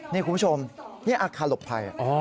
นี่คุณผู้ชมนี่อักษรหลบไพร